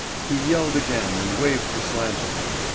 He yelled again and waved his lantern.